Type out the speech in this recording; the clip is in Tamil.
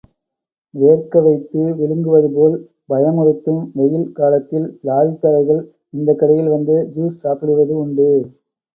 வேர்க்க வைத்து விழுங்குவதுபோல் பயமுறுத்தும் வெயில் காலத்தில், லாரிக்காரர்கள், இந்த கடையில் வந்து ஜூஸ் சாப்பிடுவது உண்டு.